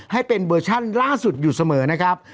ให้เป็นเวอร์ชั่นล่าสุดอยู่เสมอนะครับ